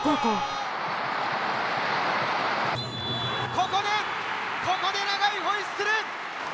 ここでここで長いホイッスル！